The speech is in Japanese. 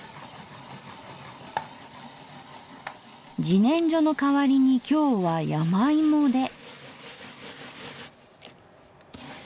じねんじょの代わりに今日は山芋で。